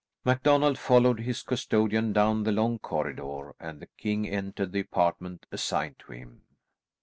MacDonald followed his custodian down the long corridor, and the king entered the apartment assigned to him.